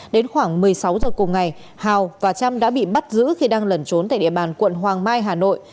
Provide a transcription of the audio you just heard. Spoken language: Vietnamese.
đến khoảng một mươi sáu giờ cùng ngày hào và trâm đã bị bắt giữ khi đang lẩn trốn tại địa bàn quận hoàng mai hà nội